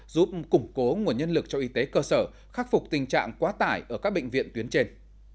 giúp củng cố nguồn nhân lực cho y tế cơ sở khắc phục tình trạng quá tải ở các bệnh viện tuyến trên